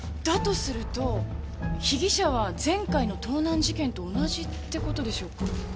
だとすると被疑者は前回の盗難事件と同じって事でしょうか？